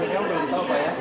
yang belum tahu apa ya